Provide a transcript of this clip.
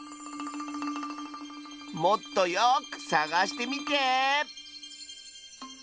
もっとよくさがしてみて！